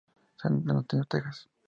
San Antonio, Texas.